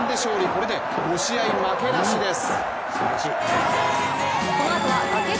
これで５試合負けなしです。